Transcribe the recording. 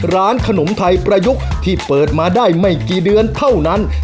ร้านขนมไทยประยุกต์ที่เปิดมาได้ไม่กี่เดือนเท่านั้น